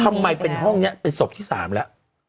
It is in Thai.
ทำไมเป็นห้องนี้เป็นศพที่๓แล้ว